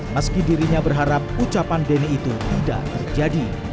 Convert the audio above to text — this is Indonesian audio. meski dirinya berharap ucapan denny itu tidak terjadi